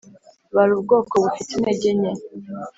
bari ubwoko bufite intege nke